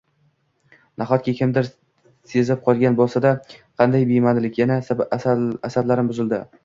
Nahotki kimdir sezib qolgan boʻlsa? Qanday bemaʼnilik. Yana asablarim buzildi”.